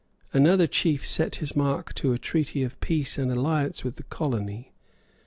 Another chief set his mark to a treaty of peace and alliance with the colony.